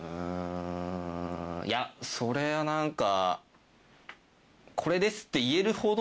いやそれはなんか。